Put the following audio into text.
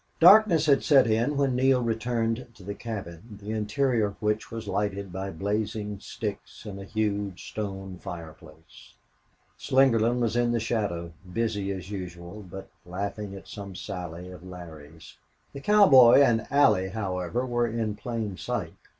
Darkness had set in when Neale returned to the cabin, the interior of which was lighted by blazing sticks in a huge stone fireplace. Slingerland was in the shadow, busy as usual, but laughing at some sally of Larry's. The cowboy and Allie, however, were in plain sight.